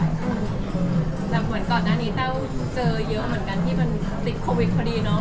แต่เหมือนก่อนหน้านี้แต้วเจอเยอะเหมือนกันที่มันติดโควิดพอดีเนาะ